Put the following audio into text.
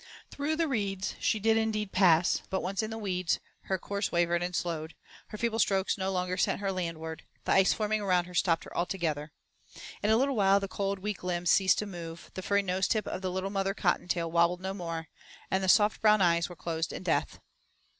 Through the reeds she did indeed pass, but once in the weeds her course wavered and slowed, her feeble strokes no longer sent her landward, the ice forming around her stopped her altogether. In a little while the cold, weak limbs ceased to move, the furry nose tip of the little mother Cottontail wobbled no more, and the soft brown eyes were closed in death.